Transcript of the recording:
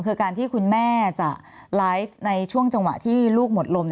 คือการที่คุณแม่จะไลฟ์ในช่วงจังหวะที่ลูกหมดลม